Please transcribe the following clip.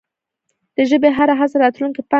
د ژبي هره هڅه د راتلونکې پانګه ده.